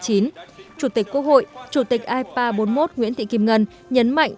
chủ tịch quốc hội chủ tịch ipa bốn mươi một nguyễn thị kim ngân nhấn mạnh